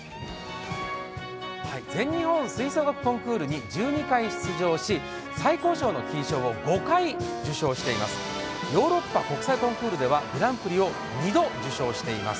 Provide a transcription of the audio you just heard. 全日本吹奏楽コンクールに１２回出場し、最高賞の金賞を５回受賞していますヨーロッパ国際コンクールではグランプリを２度受賞しています。